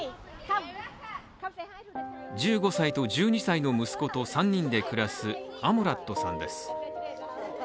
１５歳と１２歳の息子と３人で暮らすアモラットさんです。